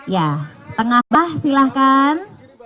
ya tengah bawah silahkan